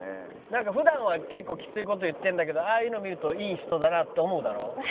なんか普段は結構きつい事言ってるんだけどああいうの見るといい人だなと思うだろ？